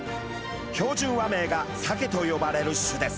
標準和名がサケと呼ばれる種です。